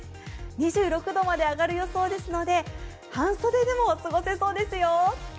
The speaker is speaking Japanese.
２６度まで上がる予想ですので半袖でも過ごせそうですよ。